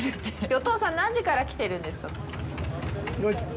お父さん、何時から来てるんですか。